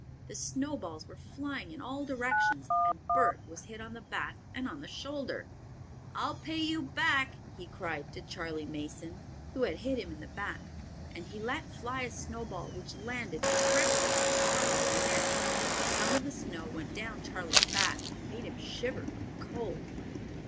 The snowballs were flying in all directions and Bert was hit on the back and on the shoulder. "I'll pay you back!" he cried, to Charley Mason, who had hit him in the back, and he let fly a snowball which landed directly on Charley's neck. Some of the snow went down Charley's back and made him shiver from the cold.